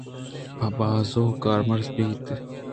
پہ باز ءَ کارمرز بیت ا۔ ک